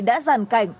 đã giàn cảnh